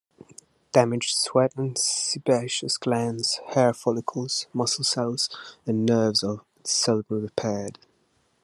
Damaged sweat and sebaceous glands, hair follicles, muscle cells, and nerves are seldom repaired.